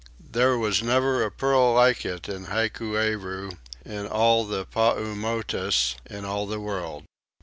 There was never a pearl like it in Hikueru, in all the Paumotus, in all the world.